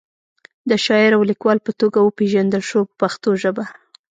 د شاعر او لیکوال په توګه وپیژندل شو په پښتو ژبه.